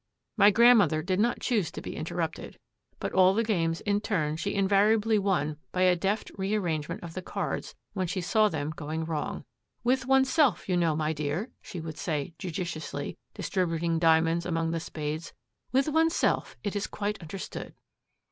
My grandmother did not choose to be interrupted. But all the games in turn she invariably won by a deft rearrangement of the cards when she saw them going wrong. 'With one's self, you know, my dear,' she would say, judiciously distributing diamonds among the spades, 'with one's self it is quite understood.'